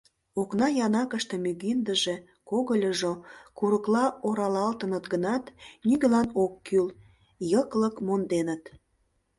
Окна янакыште мӱгиндыже, когыльыжо курыкла оралалтыныт гынат, нигӧлан ок кӱл, йыклык монденыт.